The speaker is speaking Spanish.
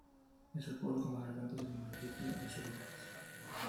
Es el pueblo con mas habitantes del municipio de Subirats.